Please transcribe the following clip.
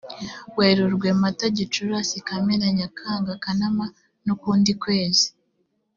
werurwe mata gicurasi kamena nyakanga kanama n ukundi kwezi